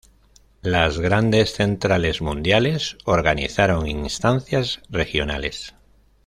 Las grandes centrales mundiales organizaron instancias regionales.